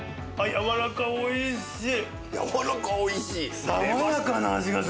やわらかおいしい？